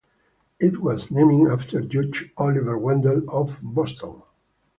It was named after Judge Oliver Wendell of Boston.